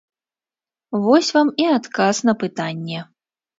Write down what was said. Вось вам і адказ на пытанне.